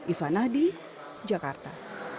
iva nahdi jakarta